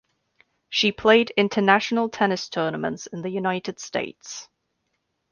She played international tennis tournaments in the United States.